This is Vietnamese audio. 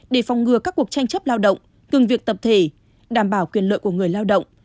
để phòng ngừa các cuộc tranh chấp lao động ngừng việc tập thể đảm bảo quyền lợi của người lao động